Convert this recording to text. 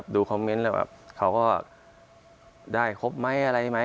ดูคอมเมนต์เลยเขาก็ได้ครบไหมอะไรไหม